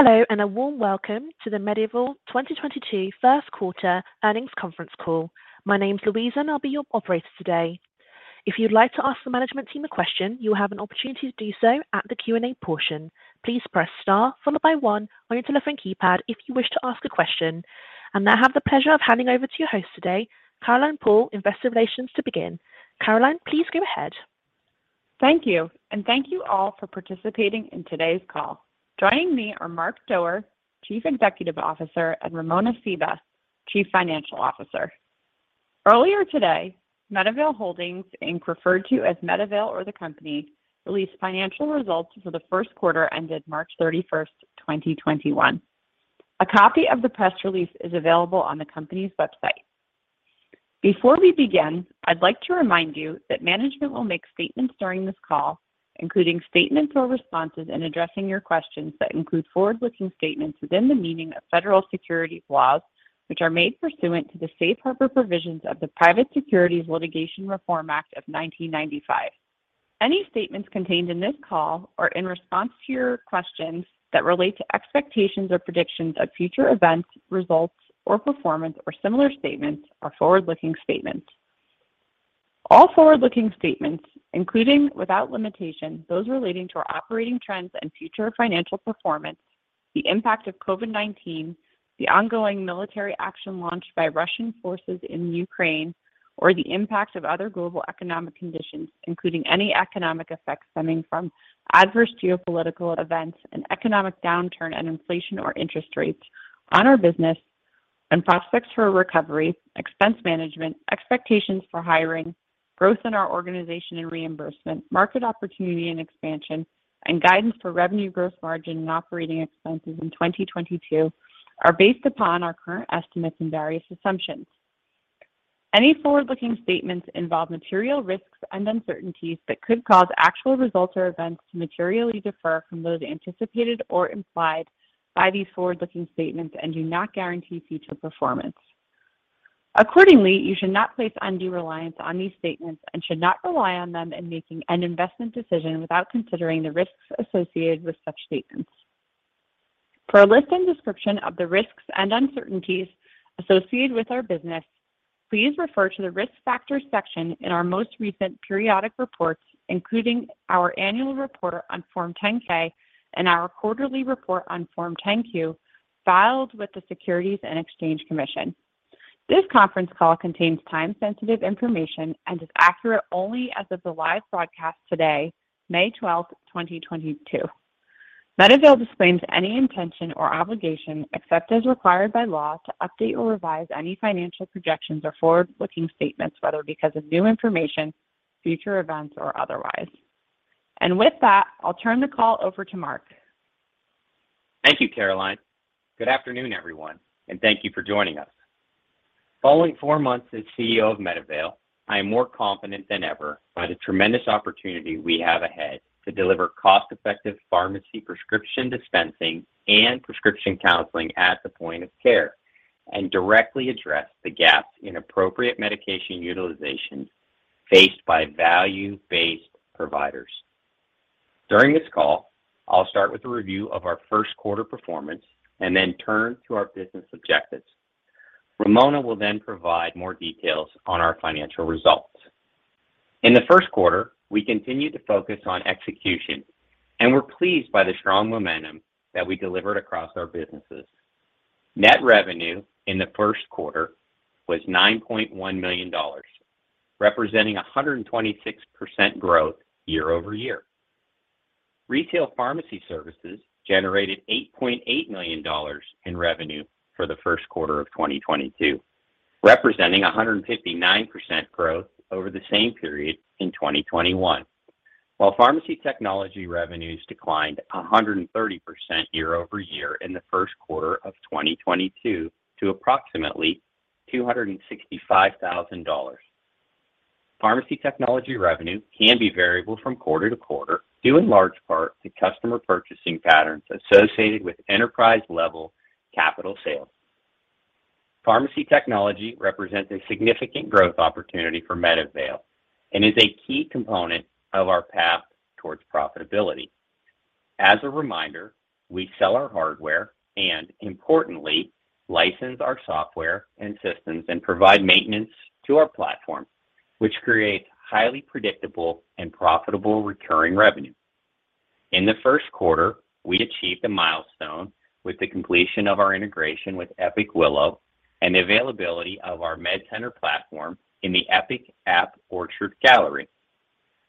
Hello, and a warm welcome to the MedAvail 2022 Q1 earnings Conference Call. My name's Louise, and I'll be your operator today. If you'd like to ask the management team a question, you will have an opportunity to do so at the Q&A portion. Please press Star followed by one on your telephone keypad if you wish to ask a question. I have the pleasure of handing over to your host today, Caroline Paul, Investor Relations, to begin. Caroline, please go ahead. Thank you, and thank you all for participating in today's call. Joining me are Mark Doerr, Chief Executive Officer, and Ramona Seabaugh, Chief Financial Officer. Earlier today, MedAvail Holdings, Inc., referred to as MedAvail or the company, released financial results for the Q1 ended March 31, 2021. A copy of the press release is available on the company's website. Before we begin, I'd like to remind you that management will make statements during this call, including statements or responses in addressing your questions that include forward-looking statements within the meaning of federal securities laws, which are made pursuant to the Safe Harbor provisions of the Private Securities Litigation Reform Act of 1995. Any statements contained in this call or in response to your questions that relate to expectations or predictions of future events, results or performance or similar statements are forward-looking statements. All forward-looking statements, including, without limitation, those relating to our operating trends and future financial performance, the impact of COVID-19, the ongoing military action launched by Russian forces in Ukraine, or the impact of other global economic conditions, including any economic effects stemming from adverse geopolitical events, an economic downturn and inflation or interest rates on our business and prospects for a recovery, expense management, expectations for hiring, growth in our organization and reimbursement, market opportunity and expansion, and guidance for revenue growth margin and operating expenses in 2022, are based upon our current estimates and various assumptions. Any forward-looking statements involve material risks and uncertainties that could cause actual results or events to materially differ from those anticipated or implied by these forward-looking statements and do not guarantee future performance. Accordingly, you should not place undue reliance on these statements and should not rely on them in making an investment decision without considering the risks associated with such statements. For a list and description of the risks and uncertainties associated with our business, please refer to the Risk Factors section in our most recent periodic reports, including our annual report on Form 10-K and our quarterly report on Form 10-Q, filed with the Securities and Exchange Commission. This Conference Call contains time-sensitive information and is accurate only as of the live broadcast today, May 12, 2022. MedAvail disclaims any intention or obligation, except as required by law, to update or revise any financial projections or forward-looking statements, whether because of new information, future events, or otherwise. With that, I'll turn the call over to Mark. Thank you, Caroline. Good afternoon, everyone, and thank you for joining us. Following four months as CEO of MedAvail, I am more confident than ever in the tremendous opportunity we have ahead to deliver cost-effective pharmacy prescription dispensing and prescription counseling at the point of care and directly address the gaps in appropriate medication utilization faced by value-based providers. During this call, I'll start with a review of our Q1 performance and then turn to our business objectives. Ramona will then provide more details on our financial results. In the Q1, we continued to focus on execution, and we're pleased by the strong momentum that we delivered across our businesses. Net revenue in the Q1 was $9.1 million, representing 126% growth year-over-year. Retail pharmacy services generated $8.8 million in revenue for the Q1 2022, representing 159% growth over the same period in 2021. While pharmacy technology revenues declined 130% year-over-year in the Q1 2022 to approximately $265,000. Pharmacy technology revenue can be variable from quarter-to-quarter, due in large part to customer purchasing patterns associated with enterprise-level capital sales. Pharmacy technology represents a significant growth opportunity for MedAvail and is a key component of our path towards profitability. As a reminder, we sell our hardware and, importantly, license our software and systems and provide maintenance to our platform, which creates highly predictable and profitable recurring revenue. In the Q1, we achieved a milestone with the completion of our integration with Epic Willow and the availability of our MedCenter platform in the Epic App Orchard Gallery.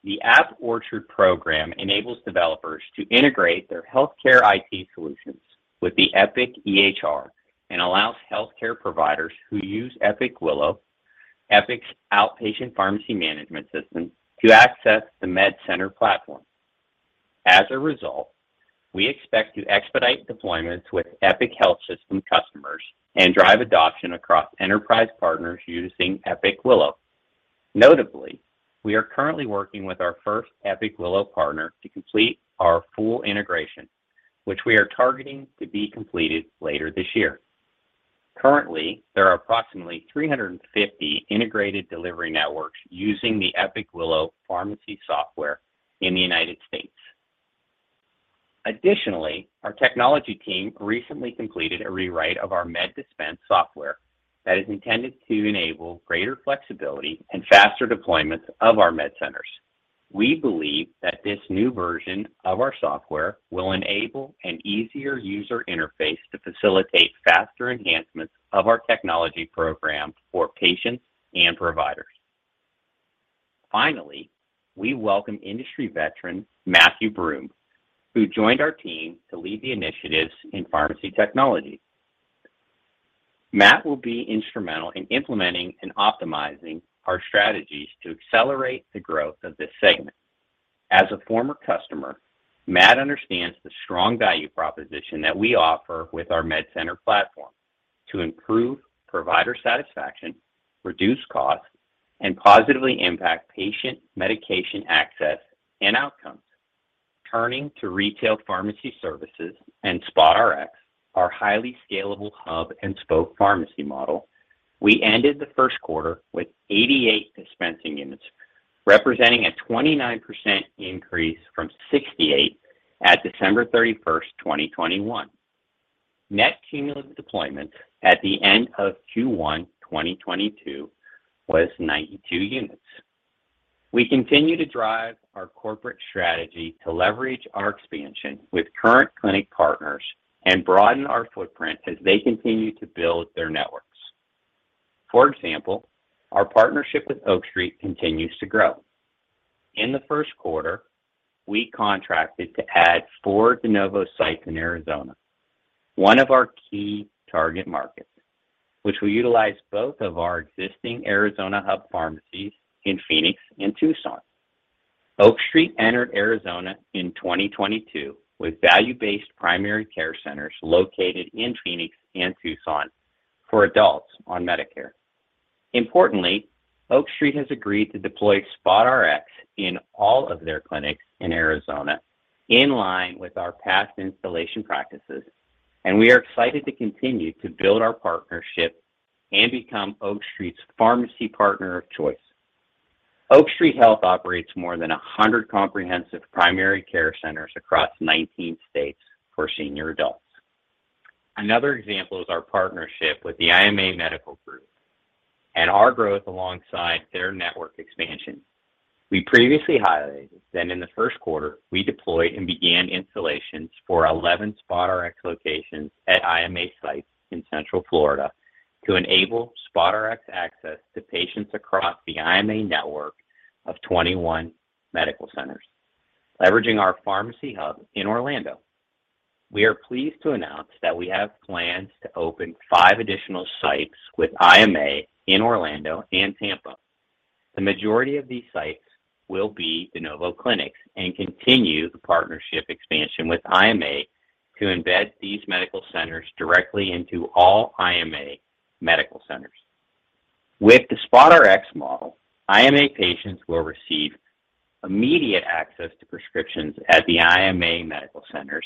The App Orchard program enables developers to integrate their healthcare IT solutions with the Epic EHR and allows healthcare providers who use Epic Willow, Epic's outpatient pharmacy management system, to access the MedCenter platform. As a result, we expect to expedite deployments with Epic Health system customers and drive adoption across enterprise partners using Epic Willow. Notably, we are currently working with our first Epic Willow partner to complete our full integration, which we are targeting to be completed later this year. Currently, there are approximately 350 integrated delivery networks using the Epic Willow pharmacy software in the United States. Additionally, our technology team recently completed a rewrite of our MedDispense software that is intended to enable greater flexibility and faster deployments of our MedCenters. We believe that this new version of our software will enable an easier user interface to facilitate faster enhancements of our technology program for patients and providers. Finally, we welcome industry veteran Matthew Broome, who joined our team to lead the initiatives in pharmacy technology. Matt will be instrumental in implementing and optimizing our strategies to accelerate the growth of this segment. As a former customer, Matt understands the strong value proposition that we offer with our MedCenter platform to improve provider satisfaction, reduce costs, and positively impact patient medication access and outcomes. Turning to retail pharmacy services and SpotRx, our highly scalable hub and spoke pharmacy model, we ended the Q1 with 88 dispensing units, representing a 29% increase from 68 at December 31, 2021. Net cumulative deployments at the end of Q1 2022 was 92 units. We continue to drive our corporate strategy to leverage our expansion with current clinic partners and broaden our footprint as they continue to build their networks. For example, our partnership with Oak Street continues to grow. In the Q1, we contracted to add 4 de novo sites in Arizona, one of our key target markets, which will utilize both of our existing Arizona hub pharmacies in Phoenix and Tucson. Oak Street entered Arizona in 2022 with value-based primary care centers located in Phoenix and Tucson for adults on Medicare. Importantly, Oak Street Health has agreed to deploy SpotRx in all of their clinics in Arizona in line with our past installation practices, and we are excited to continue to build our partnership and become Oak Street Health's pharmacy partner of choice. Oak Street Health operates more than 100 comprehensive primary care centers across 19 states for senior adults. Another example is our partnership with the IMA Medical Group and our growth alongside their network expansion. We previously highlighted that in the Q1, we deployed and began installations for 11 SpotRx locations at IMA sites in Central Florida to enable SpotRx access to patients across the IMA network of 21 medical centers, leveraging our pharmacy hub in Orlando. We are pleased to announce that we have plans to open five additional sites with IMA in Orlando and Tampa. The majority of these sites will be de novo clinics and continue the partnership expansion with IMA to embed these medical centers directly into all IMA medical centers. With the SpotRx model, IMA patients will receive immediate access to prescriptions at the IMA medical centers,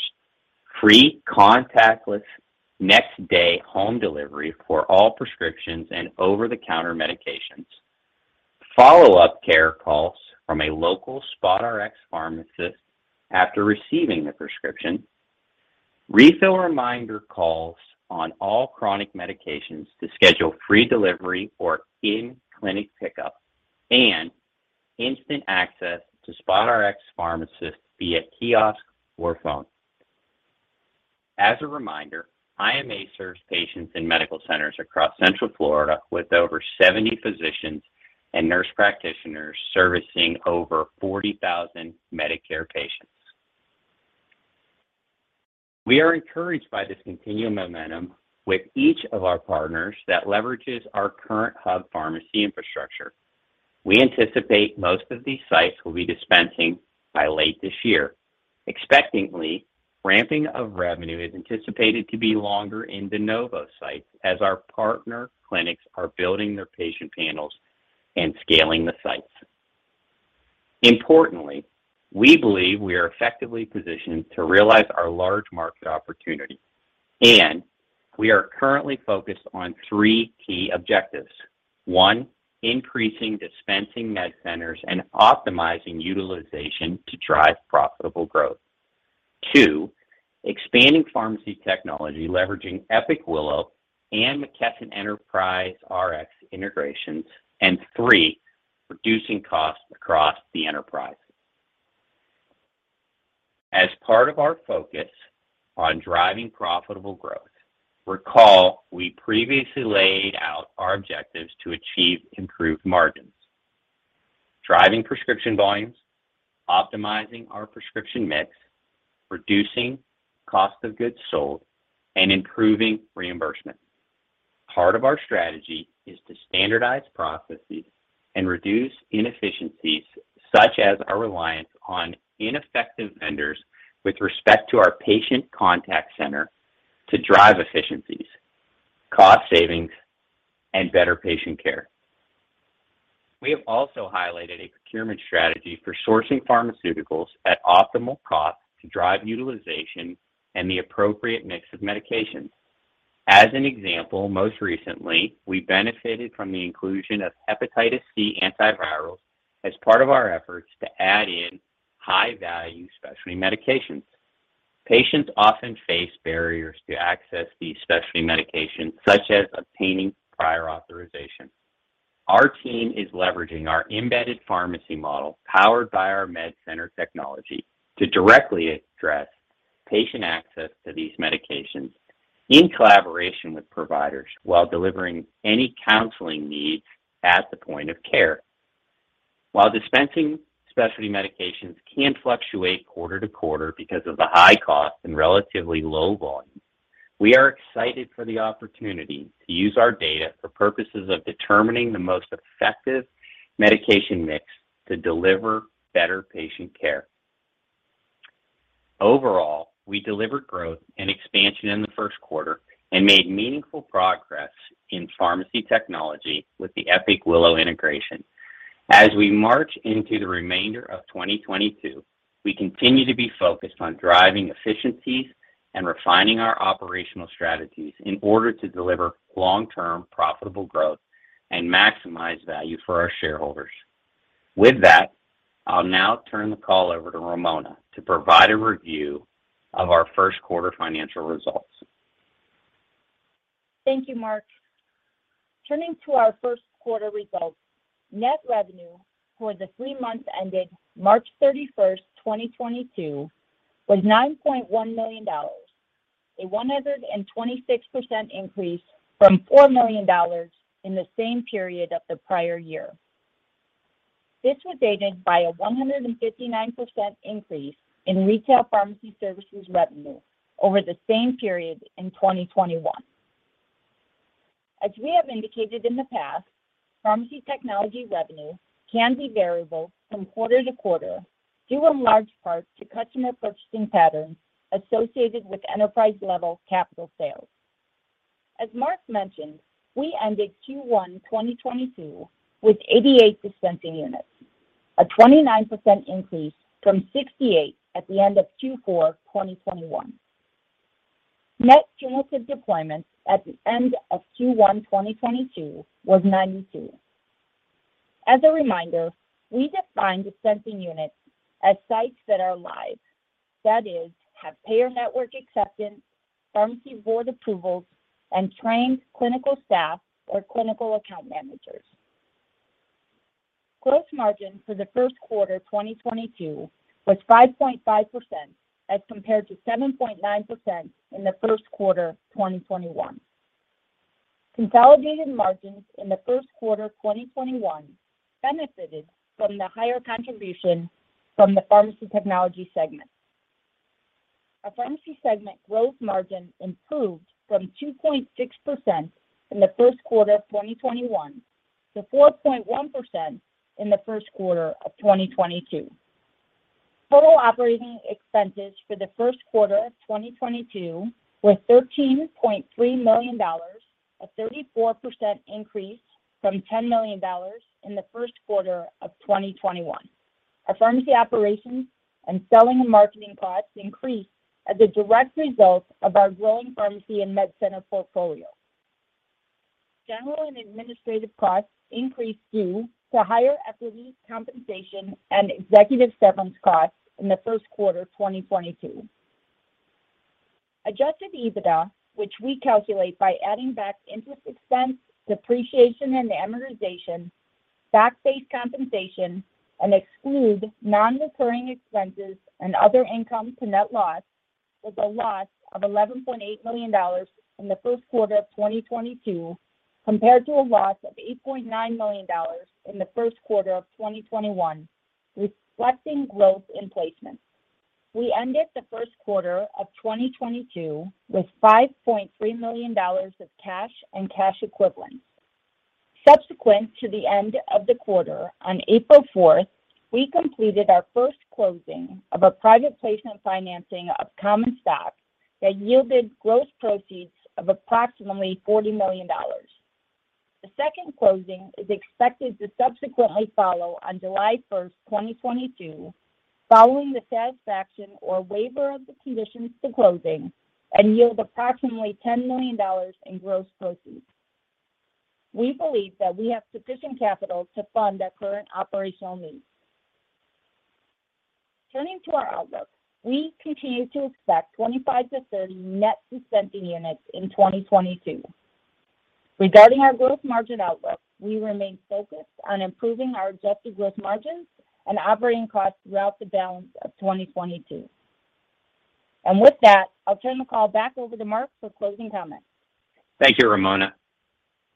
free contactless next day home delivery for all prescriptions and over-the-counter medications, follow-up care calls from a local SpotRx pharmacist after receiving the prescription, refill reminder calls on all chronic medications to schedule free delivery or in-clinic pickup, and instant access to SpotRx pharmacists via kiosk or phone. As a reminder, IMA serves patients in medical centers across Central Florida with over 70 physicians and nurse practitioners servicing over 40,000 Medicare patients. We are encouraged by this continuing momentum with each of our partners that leverages our current hub pharmacy infrastructure. We anticipate most of these sites will be dispensing by late this year. Expectedly, ramping of revenue is anticipated to be longer in de novo sites as our partner clinics are building their patient panels and scaling the sites. Importantly, we believe we are effectively positioned to realize our large market opportunity, and we are currently focused on three key objectives. One, increasing dispensing MedCenters and optimizing utilization to drive profitable growth. Two, expanding pharmacy technology, leveraging Epic Willow and McKesson EnterpriseRx integrations. Three, reducing costs across the enterprise. As part of our focus on driving profitable growth, recall we previously laid out our objectives to achieve improved margins, driving prescription volumes, optimizing our prescription mix, reducing cost of goods sold, and improving reimbursement. Part of our strategy is to standardize processes and reduce inefficiencies, such as our reliance on ineffective vendors with respect to our patient contact center to drive efficiencies, cost savings, and better patient care. We have also highlighted a procurement strategy for sourcing pharmaceuticals at optimal costs to drive utilization and the appropriate mix of medications. As an example, most recently, we benefited from the inclusion of hepatitis C antivirals as part of our efforts to add in high-value specialty medications. Patients often face barriers to access these specialty medications, such as obtaining prior authorization. Our team is leveraging our embedded pharmacy model, powered by our MedCenter technology, to directly address patient access to these medications in collaboration with providers while delivering any counseling needs at the point of care. While dispensing specialty medications can fluctuate quarter-to-quarter because of the high-cost and relatively low-volumes, we are excited for the opportunity to use our data for purposes of determining the most effective medication mix to deliver better patient care. Overall, we delivered growth and expansion in the Q1 and made meaningful progress in pharmacy technology with the Epic Willow integration. As we march into the remainder of 2022, we continue to be focused on driving efficiencies and refining our operational strategies in order to deliver long-term profitable growth and maximize value for our shareholders. With that, I'll now turn the call over to Ramona to provide a review of our Q1 financial results. Thank you, Mark. Turning to our Q1 results, net revenue for the three months ended March 31, 2022 was $9.1 million, a 126% increase from $4 million in the same period of the prior year. This was aided by a 159% increase in retail pharmacy services revenue over the same period in 2021. As we have indicated in the past, pharmacy technology revenue can be variable from quarter-to-quarter due in large part to customer purchasing patterns associated with enterprise-level capital sales. As Mark mentioned, we ended Q1 2022 with 88 dispensing units, a 29% increase from 68 at the end of Q4 2021. Net cumulative deployments at the end of Q1 2022 was 92. As a reminder, we define dispensing units as sites that are live. That is, have payer network acceptance, pharmacy board approvals, and trained clinical staff or clinical account managers. Gross margin for the Q1 2022 was 5.5% as compared to 7.9% in the Q1 2021. Consolidated margins in the Q1 2021 benefited from the higher contribution from the pharmacy technology segment. Our pharmacy segment gross margin improved from 2.6% in the Q1 2021 to 4.1% in the Q1 2022. Total operating expenses for the Q1 2022 were $13.3 million, a 34% increase from $10 million in the Q1 2021. Our pharmacy operations and selling and marketing costs increased as a direct result of our growing pharmacy and MedCenter portfolio. General and administrative costs increased due to higher employee compensation and executive severance costs in the Q1, 2022. Adjusted EBITDA, which we calculate by adding back interest expense, depreciation and amortization, stock-based compensation, and exclude non-recurring expenses and other income to net loss, was a loss of $11.8 million in the Q1 2022, compared to a loss of $8.9 million in the Q1 2021, reflecting growth in placements. We ended the Q1 2022 with $5.3 million of cash and cash equivalents. Subsequent to the end of the quarter, on April 4, we completed our first closing of a private placement financing of common stock that yielded gross proceeds of approximately $40 million. The second closing is expected to subsequently follow on July 1, 2022, following the satisfaction or waiver of the conditions to closing and yield approximately $10 million in gross proceeds. We believe that we have sufficient capital to fund our current operational needs. Turning to our outlook, we continue to expect 25-30 net dispensing units in 2022. Regarding our growth margin outlook, we remain focused on improving our adjusted growth margins and operating costs throughout the balance of 2022. With that, I'll turn the call back over to Mark for closing comments. Thank you, Ramona.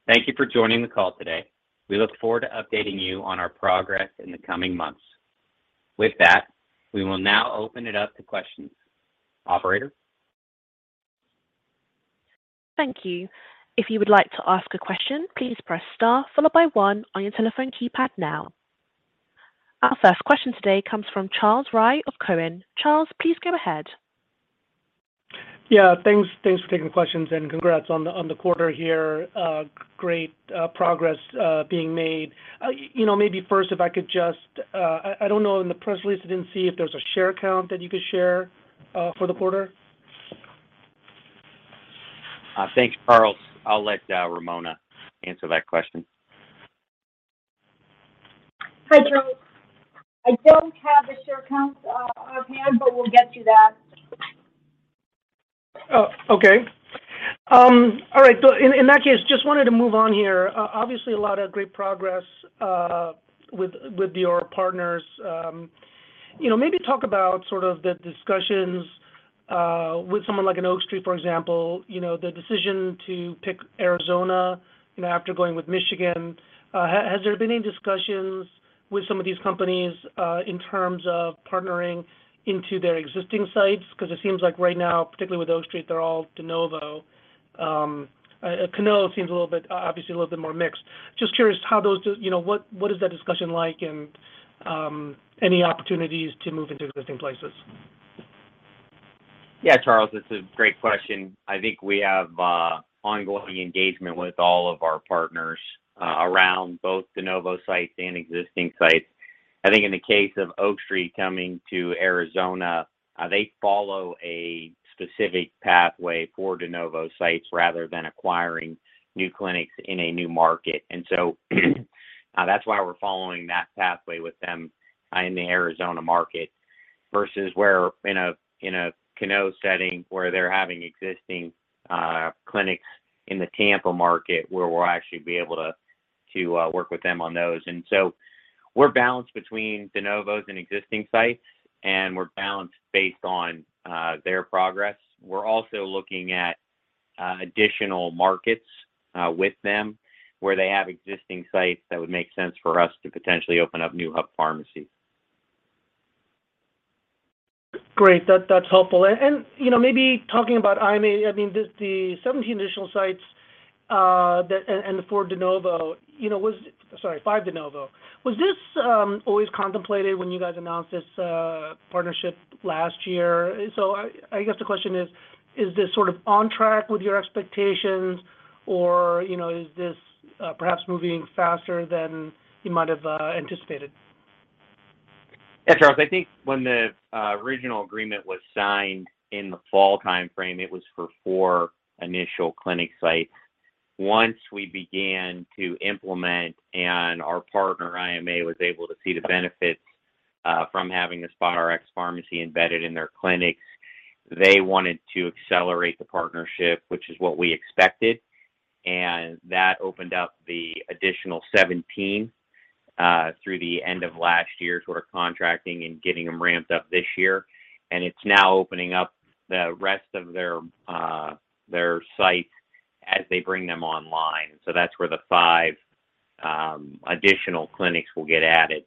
Thank you for joining the call today. We look forward to updating you on our progress in the coming months. With that, we will now open it up to questions. Operator? Thank you. If you would like to ask a question, please press star followed by one on your telephone keypad now. Our first question today comes from Charles Rhyee of Cowen. Charles, please go ahead. Yeah. Thanks for taking the questions, and congrats on the quarter here. Great progress being made. You know, maybe first if I could just, I don't know, in the press release I didn't see if there's a share count that you could share for the quarter. Thanks, Charles. I'll let Ramona answer that question. Hi, Charles. I don't have the share count, offhand, but we'll get you that. Oh, okay. All right. In that case, just wanted to move on here. Obviously a lot of great progress with your partners. You know, maybe talk about sort of the discussions with someone like an Oak Street, for example. You know, the decision to pick Arizona, you know, after going with Michigan. Has there been any discussions with some of these companies in terms of partnering into their existing sites? Because it seems like right now, particularly with Oak Street, they're all de novo. Cano seems a little bit obviously a little bit more mixed. Just curious how those you know, what is that discussion like and any opportunities to move into existing places? Yeah, Charles, that's a great question. I think we have ongoing engagement with all of our partners around both de novo sites and existing sites. I think in the case of Oak Street coming to Arizona, they follow a specific pathway for de novo sites rather than acquiring new clinics in a new market. That's why we're following that pathway with them in the Arizona market versus in a Cano setting, where they're having existing clinics in the Tampa market, where we'll actually be able to work with them on those. We're balanced between de novos and existing sites, and we're balanced based on their progress. We're also looking at additional markets with them where they have existing sites that would make sense for us to potentially open up new hub pharmacies. Great. That's helpful. You know, maybe talking about IMA, I mean, the 17 initial sites and the 5 de novo. Was this always contemplated when you guys announced this partnership last year? I guess the question is this sort of on track with your expectations or, you know, is this perhaps moving faster than you might have anticipated? Yeah, Charles. I think when the original agreement was signed in the fall timeframe, it was for 4 initial clinic sites. Once we began to implement and our partner, IMA, was able to see the benefits from having the SpotRx pharmacy embedded in their clinics, they wanted to accelerate the partnership, which is what we expected, and that opened up the additional 17 through the end of last year, sort of contracting and getting them ramped up this year. It's now opening up the rest of their sites as they bring them online. That's where the 5 additional clinics will get added.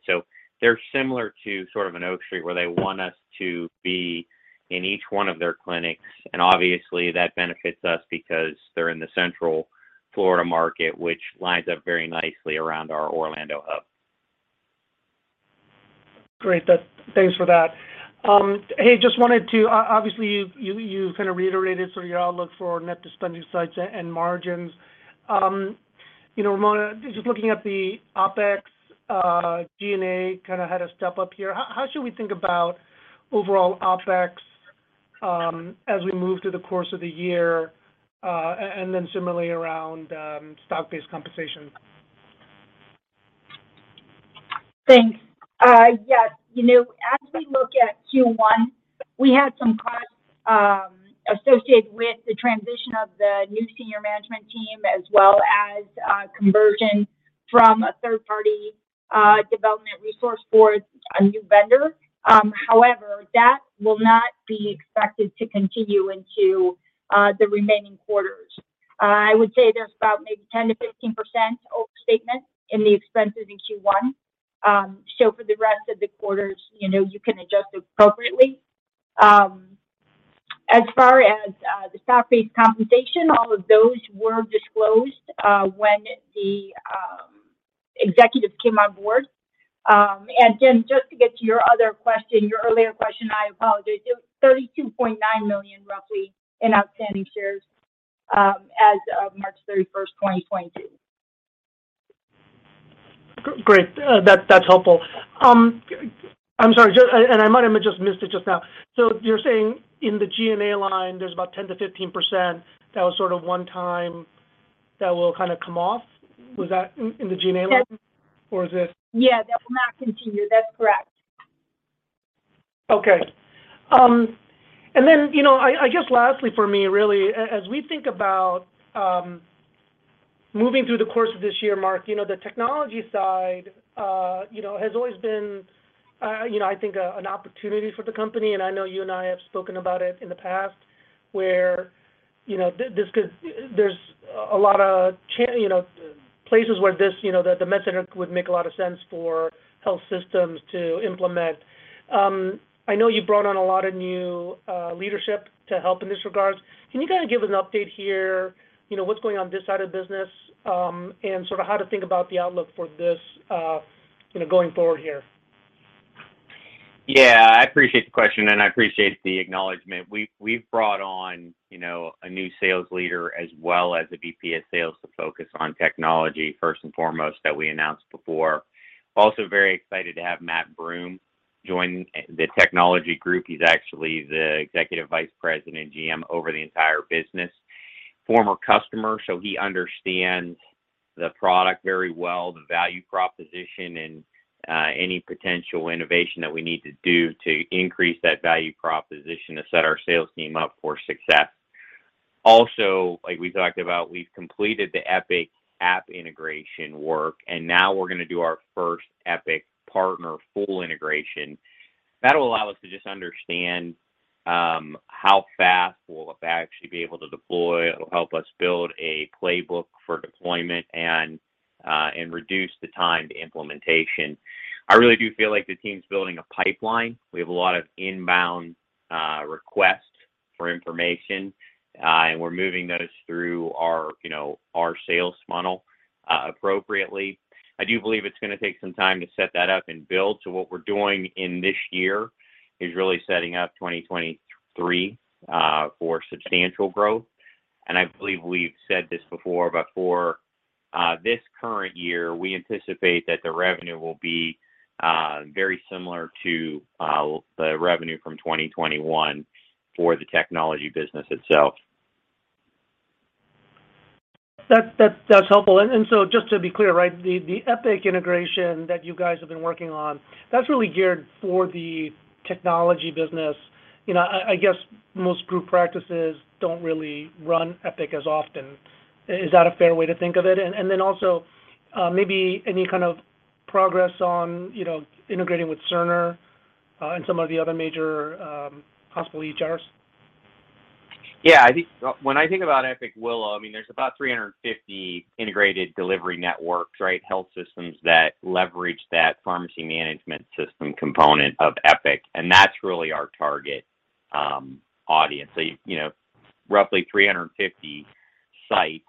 They're similar to sort of an Oak Street Health, where they want us to be in each one of their clinics, and obviously that benefits us because they're in the Central Florida market, which lines up very nicely around our Orlando hub. Great. Thanks for that. Hey, just wanted to obviously you kind of reiterated sort of your outlook for net dispensing sites and margins. You know, Ramona, just looking at the OpEx, G&A kind of had a step up here. How should we think about overall OpEx as we move through the course of the year and then similarly around stock-based compensation? Thanks. Yes. You know, as we look at Q1, we had some costs associated with the transition of the new senior management team as well as conversion from a third-party development resource for a new vendor. However, that will not be expected to continue into the remaining quarters. I would say there's about maybe 10%-15% overstatement in the expenses in Q1. For the rest of the quarters, you know, you can adjust appropriately. As far as the stock-based compensation, all of those were disclosed when the executives came on board. Just to get to your other question, your earlier question, I apologize. It was 32.9 million roughly in outstanding shares as of March 31, 2020. Great. That's helpful. I'm sorry, I might have just missed it just now. You're saying in the G&A line there's about 10%-15% that was sort of one-time that will kind of come off? Was that in the G&A line? Yes ...or is it- Yeah, that will not continue. That's correct. Okay. You know, I guess lastly for me really, as we think about moving through the course of this year, Mark, you know, the technology side, you know, has always been, you know, I think, an opportunity for the company, and I know you and I have spoken about it in the past, where, you know, this could, there's a lot of, you know, places where this, you know, the MedCenter would make a lot of sense for health systems to implement. I know you brought on a lot of new leadership to help in this regard. Can you kind of give an update here, you know, what's going on this side of the business, and sort of how to think about the outlook for this, you know, going forward here? Yeah, I appreciate the question, and I appreciate the acknowledgement. We've brought on, you know, a new sales leader as well as a VP of sales to focus on technology first and foremost that we announced before. Also very excited to have Matt Broome join the technology group. He's actually the Executive Vice President and GM over the entire business. Former customer, so he understands the product very well, the value proposition, and any potential innovation that we need to do to increase that value proposition to set our sales team up for success. Also, like we talked about, we've completed the Epic app integration work, and now we're gonna do our first Epic partner full integration. That'll allow us to just understand how fast we'll actually be able to deploy. It'll help us build a playbook for deployment and reduce the time to implementation. I really do feel like the team's building a pipeline. We have a lot of inbound requests for information, and we're moving those through our, you know, our sales funnel appropriately. I do believe it's gonna take some time to set that up and build. What we're doing in this year is really setting up 2023 for substantial growth. I believe we've said this before, but for this current year, we anticipate that the revenue will be very similar to the revenue from 2021 for the technology business itself. That's helpful. Just to be clear, right, the Epic integration that you guys have been working on, that's really geared for the technology business. You know, I guess most group practices don't really run Epic as often. Is that a fair way to think of it? Maybe any kind of progress on, you know, integrating with Cerner and some of the other major hospital EHRs? When I think about Epic Willow, I mean, there's about 350 integrated delivery networks, right, health systems that leverage that pharmacy management system component of Epic, and that's really our target audience. You know, roughly 350 sites,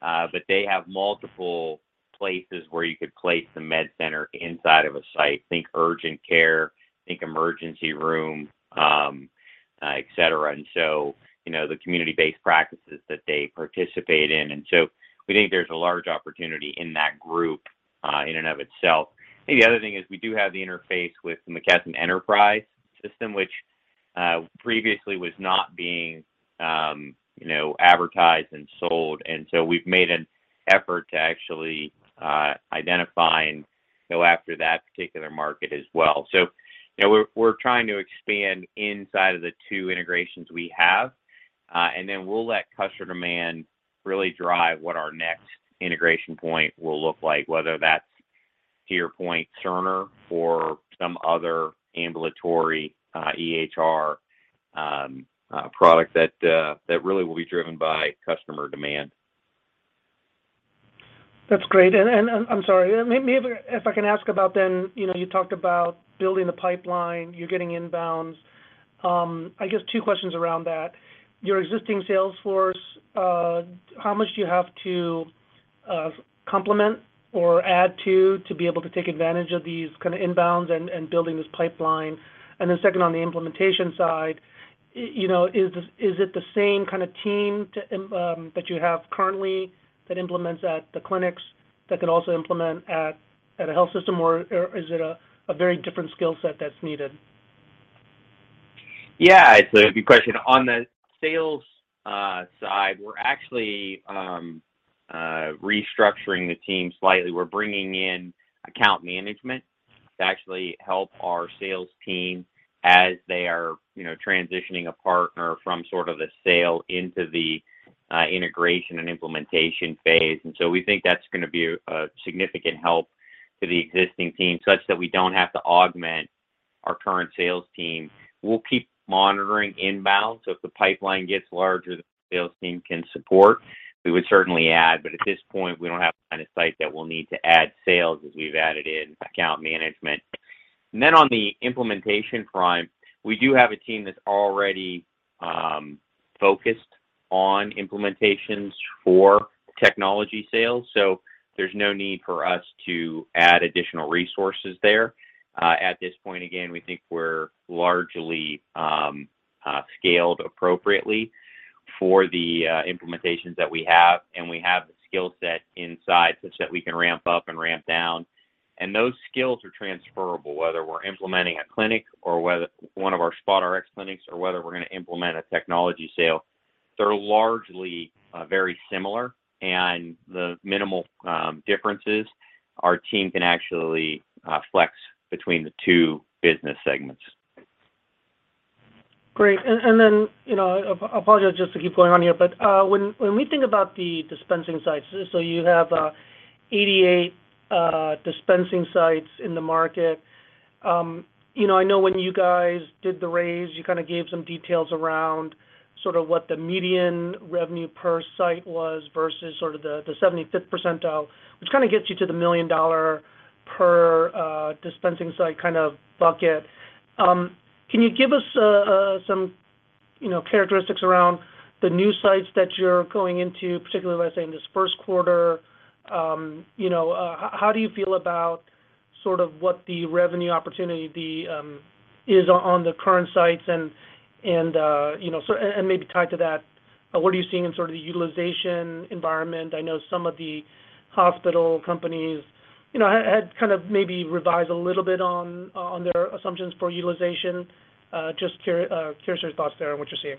but they have multiple places where you could place the MedCenter inside of a site. Think urgent care, think emergency room, et cetera, and so, you know, the community-based practices that they participate in. We think there's a large opportunity in that group, in and of itself. I think the other thing is we do have the interface with the McKesson EnterpriseRx, which, previously was not being, you know, advertised and sold. We've made an effort to actually identify and go after that particular market as well. You know, we're trying to expand inside of the two integrations we have, and then we'll let customer demand really drive what our next integration point will look like, whether that's to your point, Cerner, or some other ambulatory EHR product that really will be driven by customer demand. That's great. I'm sorry. May I... If I can ask about then, you know, you talked about building the pipeline. You're getting inbounds. I guess two questions around that. Your existing sales force, how much do you have to complement or add to to be able to take advantage of these kind of inbounds and building this pipeline? Then second, on the implementation side, you know, is it the same kind of team to that you have currently that implements at the clinics that could also implement at a health system, or is it a very different skill set that's needed? Yeah. It's a good question. On the sales side, we're actually restructuring the team slightly. We're bringing in account management to actually help our sales team as they are, you know, transitioning a partner from sort of the sale into the integration and implementation phase. We think that's gonna be a significant help to the existing team, such that we don't have to augment our current sales team. We'll keep monitoring inbound. If the pipeline gets larger, the sales team can support. We would certainly add. At this point, we don't have the kind of site that we'll need to add sales as we've added in account management. On the implementation front, we do have a team that's already focused on implementations for technology sales, so there's no need for us to add additional resources there. At this point, again, we think we're largely scaled appropriately for the implementations that we have, and we have the skill set inside such that we can ramp up and ramp down. Those skills are transferable, whether we're implementing a clinic or whether one of our SpotRx clinics or whether we're gonna implement a technology sale. They're largely very similar, and the minimal differences, our team can actually flex between the two business segments. Great. Then, you know, apologize just to keep going on here, but when we think about the dispensing sites, you have 88 dispensing sites in the market. You know, I know when you guys did the raise, you kind of gave some details around sort of what the median revenue per site was versus sort of the 75th percentile, which kind of gets you to the $1 million per dispensing site kind of bucket. Can you give us some? You know, characteristics around the new sites that you're going into, particularly, let's say in this Q1, you know, how do you feel about sort of what the revenue opportunity, the, is on the current sites and, you know, and maybe tied to that, what are you seeing in sort of the utilization environment? I know some of the hospital companies, you know, had kind of maybe revised a little bit on their assumptions for utilization. Just curious your thoughts there on what you're seeing.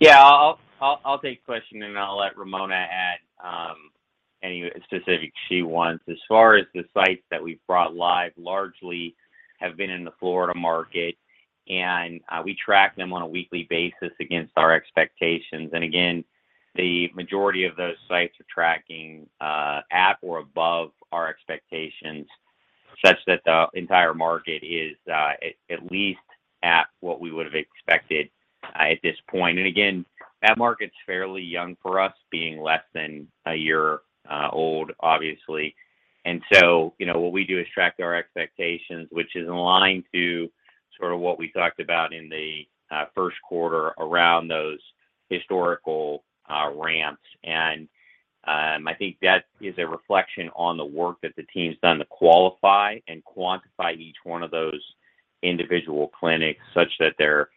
Yeah. I'll take the question, and then I'll let Ramona add any specifics she wants. As far as the sites that we've brought live, largely have been in the Florida market, and we track them on a weekly basis against our expectations. Again, the majority of those sites are tracking at or above our expectations, such that the entire market is at least at what we would have expected at this point. Again, that market's fairly young for us, being less than a year old, obviously. You know, what we do is track our expectations, which is in line to sort of what we talked about in the Q1 around those historical ramps. I think that is a reflection on the work that the team's done to qualify and quantify each one of those individual clinics such that they're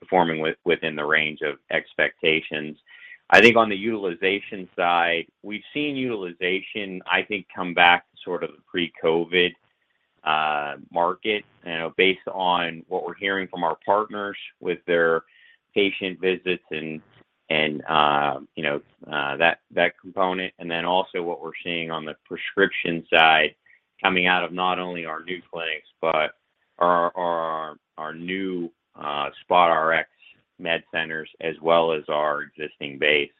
performing within the range of expectations. I think on the utilization side, we've seen utilization, I think, come back to sort of the pre-COVID market, you know, based on what we're hearing from our partners with their patient visits and that component. And then also what we're seeing on the prescription side coming out of not only our new clinics, but our new SpotRx MedCenters as well as our existing base.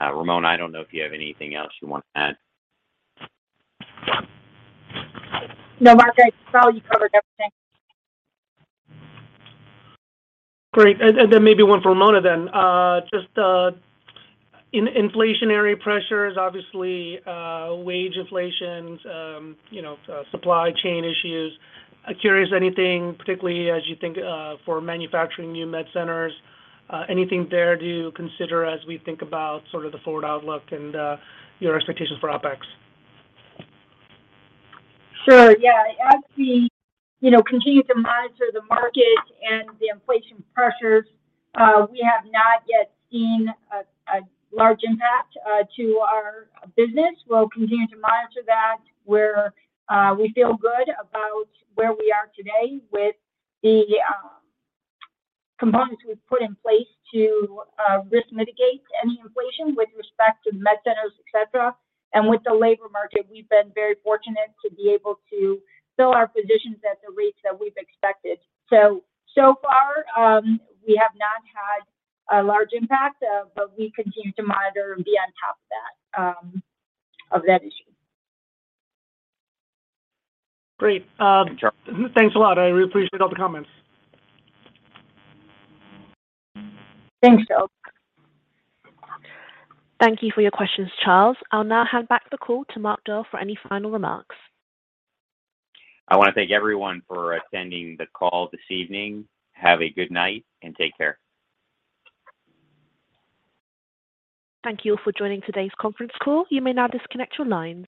Ramona, I don't know if you have anything else you want to add. No, Mark. I think, Charles, you covered everything. Great. Then maybe one for Ramona then. Just on inflationary pressures, obviously, wage inflation, you know, supply chain issues. Curious anything, particularly as you think for manufacturing new MedCenters, anything there to consider as we think about sort of the forward outlook and your expectations for OpEx? Sure. Yeah. As we, you know, continue to monitor the market and the inflation pressures, we have not yet seen a large impact to our business. We'll continue to monitor that, where we feel good about where we are today with the components we've put in place to risk mitigate any inflation with respect to MedCenters, et cetera. With the labor market, we've been very fortunate to be able to fill our positions at the rates that we've expected. So far, we have not had a large impact, but we continue to monitor and be on top of that issue. Great. Thanks, Charles. Thanks a lot. I really appreciate all the comments. Thanks, Charles. Thank you for your questions, Charles. I'll now hand back the call to Mark Doerr for any final remarks. I wanna thank everyone for attending the call this evening. Have a good night and take care. Thank you for joining today's Conference Call. You may now disconnect your lines.